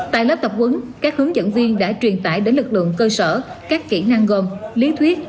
tại lớp tập huấn các hướng dẫn viên đã truyền tải đến lực lượng cơ sở các kỹ năng gồm lý thuyết